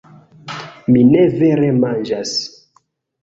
Mi ne vere manĝas